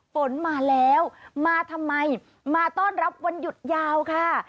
ฝนมาแล้วมาทำไมมาต้อนรับวันหยุดยาวค่ะ